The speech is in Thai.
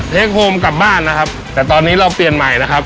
เทคโฮมกลับบ้านนะครับแต่ตอนนี้เราเปลี่ยนใหม่นะครับ